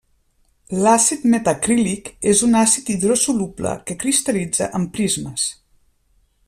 L'àcid metacrílic és un àcid hidrosoluble que cristal·litza en prismes.